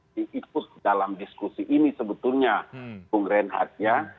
diikut dalam diskusi ini sebetulnya bung reinhardt ya